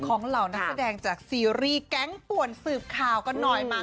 เหล่านักแสดงจากซีรีส์แก๊งป่วนสืบข่าวกันหน่อยมา